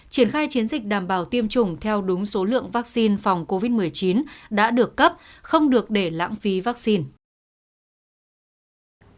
triển khai chiến dịch đảm bảo tiêm chủng theo đúng số lượng vaccine phòng covid một mươi chín đã được cấp không được để lãng phí vaccine